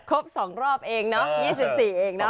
ครบ๒รอบเองเนาะ๒๔เองเนาะ